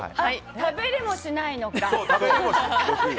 食べれもしないのか。